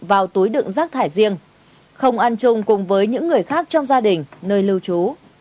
vào túi đựng rác thải riêng không ăn chung cùng với những người khác trong gia đình nơi lưu trú